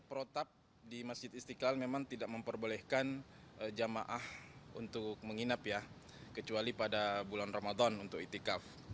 protap di masjid istiqlal memang tidak memperbolehkan jemaah untuk menginap ya kecuali pada bulan ramadan untuk itikaf